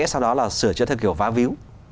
sau đó là sửa chữa theo kiểu phá víu